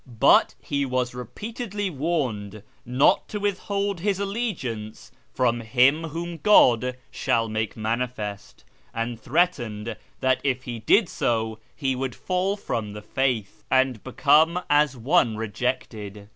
But he was repeatedly warned not to withhold his allegiance from ' Him whom God shall manifest,' and threatened that if he did so he would fall from the faith, and become as one rejected.